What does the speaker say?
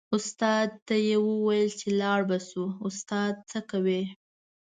استاد ته یې و ویل چې لاړ به شو استاده څه کوې.